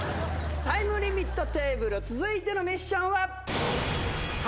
タイムリミットテーブル続いてのミッションは。